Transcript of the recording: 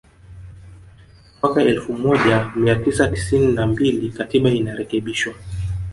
Mwaka elfu moja mia tisa tisini na mbili Katiba inarekebishwa